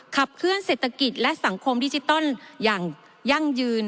ขับเคลื่อนเศรษฐกิจและสังคมดิจิตอลอย่างยั่งยืน